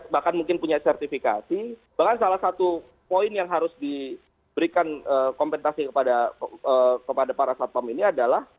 bahkan mungkin punya sertifikasi bahkan salah satu poin yang harus diberikan kompensasi kepada para satpam ini adalah